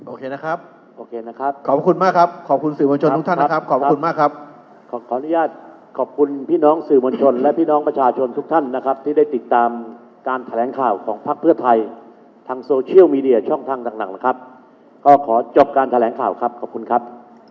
โอเคนะครับโอเคนะครับขอบคุณมากครับขอบคุณสื่อมวลชนทุกท่านนะครับขอบคุณมากครับขออนุญาตขอบคุณพี่น้องสื่อมวลชนและพี่น้องประชาชนทุกท่านนะครับที่ได้ติดตามการแถลงข่าวของพักเพื่อไทยทางโซเชียลมีเดียช่องทางดังนะครับก็ขอจบการแถลงข่าวครับขอบคุณครับ